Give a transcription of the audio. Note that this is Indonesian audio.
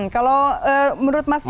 kalau menurut mas tony